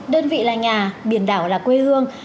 đơn vị là nhà biển đảo là quê hương